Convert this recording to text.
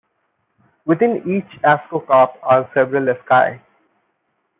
Within each ascocarp are several asci.